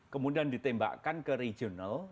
kemudian ditembakkan ke regional